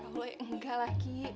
eh allah ya enggak lah ki